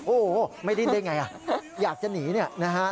โอ้โหไม่ดิ้นได้อย่างไรอยากจะหนีเนี่ยนะครับ